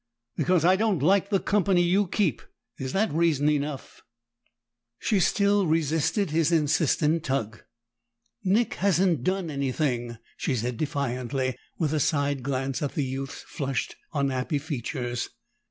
Because I don't like the company you keep. Is that reason enough?" She still resisted his insistent tug. "Nick hasn't done anything," she said defiantly, with a side glance at the youth's flushed, unhappy features.